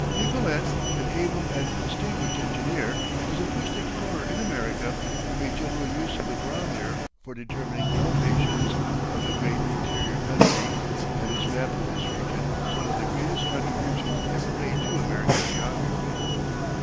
Nicolet, an able and distinguished engineer, was the first explorer in America who made general use of the barometer for determining elevations of the great interior country, and his map of this region was one of the greatest contributions ever made to American geography.